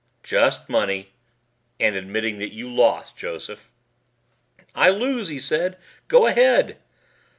"Just money and admitting that you lost, Joseph!" "I lose," he said. "Go ahead!"